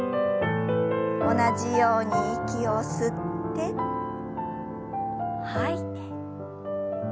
同じように息を吸って吐いて。